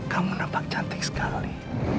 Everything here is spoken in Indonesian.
kamu nampak cantik sekali